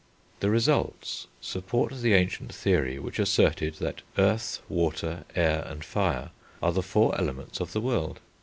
The results supported the ancient theory which asserted that earth, water, air, and fire are the four Elements of the world.